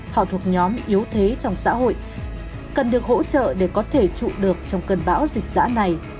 họ thuộc nhóm yếu thế trong xã hội cần được hỗ trợ để có thể trụ được trong cơn bão dịch dã này